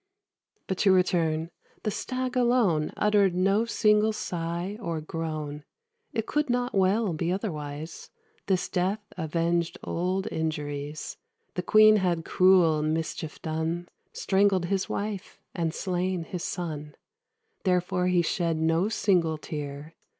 But to return. The Stag alone Uttered no single sigh or groan. It could not well be otherwise; This death avenged old injuries. The Queen had cruel, mischief done; Strangled his wife, and slain his son: Therefore he shed no single tear.